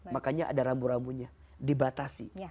makanya ada rambu rambunya dibatasi